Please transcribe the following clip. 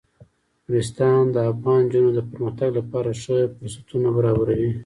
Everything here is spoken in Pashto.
نورستان د افغان نجونو د پرمختګ لپاره ښه فرصتونه برابروي.